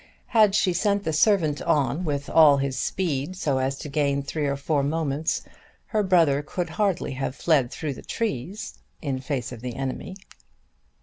Had she sent the servant on with all his speed, so as to gain three or four moments, her brother could hardly have fled through the trees in face of the enemy.